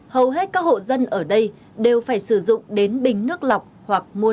hầu hết các hộ dân ở đây đều phải sử dụng đến bình nước lọc hoặc mua